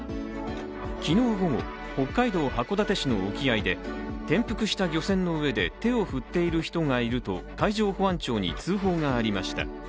昨日午後、北海道函館市の沖合で転覆した漁船の上で手を振っている人がいると海上保安庁に通報がありました。